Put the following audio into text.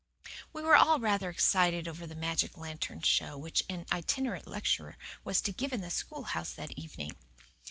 We were all rather excited over the magic lantern show which an itinerant lecturer was to give in the schoolhouse that evening.